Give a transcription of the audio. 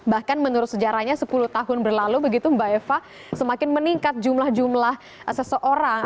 bahkan menurut sejarahnya sepuluh tahun berlalu begitu mbak eva semakin meningkat jumlah jumlah seseorang